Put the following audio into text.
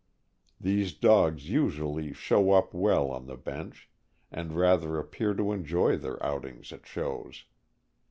These dogs usually c ' show up" well on the bench, and rather appear to enjoy their outings at shows.